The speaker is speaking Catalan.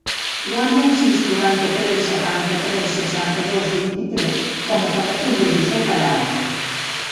Guarda el sis, quaranta-tres, setanta-tres, seixanta-dos, vint-i-tres com a telèfon del Josep Arauz.